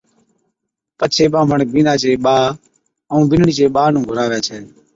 پڇي ٻانڀڻ بِينڏا چي ٻا ائُون بِينڏڙِي چي ٻا نُون گھُراوي ڇَي